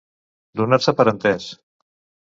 Donar-se per entès.